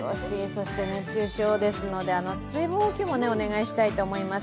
そして、熱中症ですので水分補給もお願いしたいと思います。